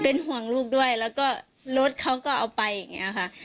เป็นห่วงลูกด้วยแล้วก็รถเขาก็เอาไปอย่างนี้ค่ะ